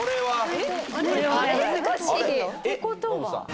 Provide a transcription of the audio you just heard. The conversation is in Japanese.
えってことは？